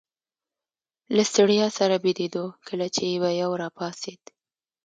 له ستړیا سره بیدېدو، کله چي به یو راپاڅېد.